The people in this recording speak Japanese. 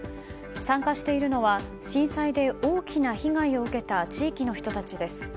参加しているのは震災で大きな被害を受けた地域の人たちです。